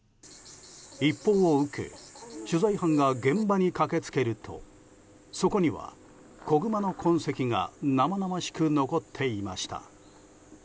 一報を受け取材班が現場に駆け付けるとそこには、子グマの痕跡が生々しく残っていました。